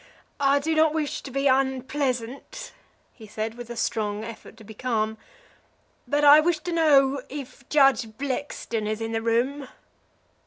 "I do not wish to be unpleasant," he said, with a strong effort to be calm, "but I wish to ask if Judge Blackstone is in the room."